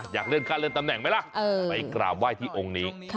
อยากเลื่อนขั้นเลื่อนตำแหน่งไหมล่ะไปกราบไหว้ที่องค์นี้